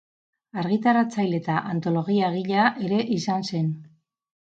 Argitaratzaile eta antologia-egilea ere izan zen.